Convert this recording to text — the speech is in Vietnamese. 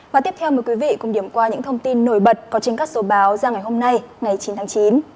và tiếp theo mời quý vị cùng điểm qua những thông tin nổi bật có trên các số báo ra ngày hôm nay ngày chín tháng chín